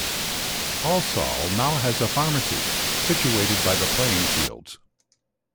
Halsall now has a pharmacy, situated by the playing fields.